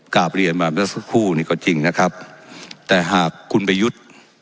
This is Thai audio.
กลับเรียนมาเมื่อสักครู่นี่ก็จริงนะครับแต่หากคุณประยุทธ์